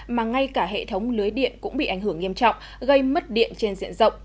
mà ngay cả hệ thống lưới điện cũng bị ảnh hưởng nghiêm trọng gây mất điện trên diện rộng